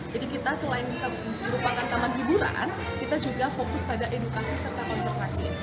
jadi kita selain merupakan taman hiburan kita juga fokus pada edukasi serta konservasi